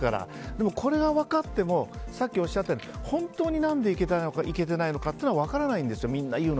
でも、これが分かってもさっきおっしゃったように本当に何で行けてないのかっていうのは分からないんですよ